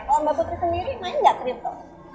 kalau mbak putri sendiri main gak crypto